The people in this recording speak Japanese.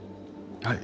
はい。